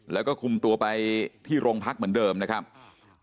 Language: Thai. แล้วก็คุมตัวไปที่โรงพักเหมือนเดิมนะครับ